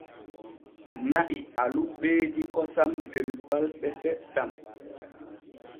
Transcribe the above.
Na'i alu ɓeedi kosam der balde seɗɗen.